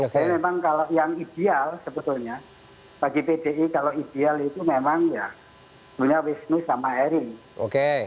jadi memang yang ideal sebetulnya bagi pdi kalau ideal itu memang ya punya wisnu sama erik